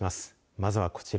まずはこちら。